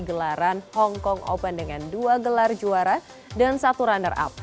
gelaran hongkong open dengan dua gelar juara dan satu runner up